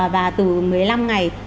và từ một mươi năm ngày